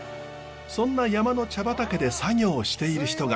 そんな山の茶畑で作業している人が。